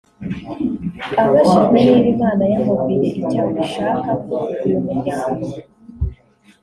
Abajijwe niba Imana yamubwiye icyo ishaka kuri uyu muryango